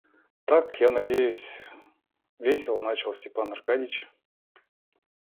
Так я надеюсь... — весело начал Степан Аркадьич.